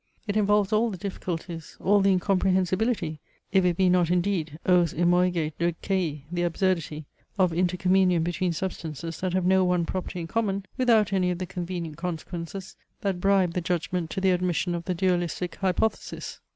It involves all the difficulties, all the incomprehensibility (if it be not indeed, os emoige dokei, the absurdity), of intercommunion between substances that have no one property in common, without any of the convenient consequences that bribed the judgment to the admission of the Dualistic hypothesis.